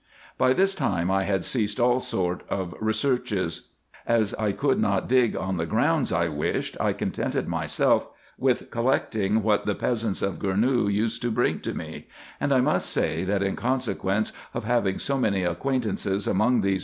By this time I had ceased all sort of researches. As I could not dig on the grounds I wished, I contented myself with collecting what the peasants of Gournou used to bring to me ; and I must say, that in consequence of having so many acquaintances among these IN EGYPT, NUBIA, &c.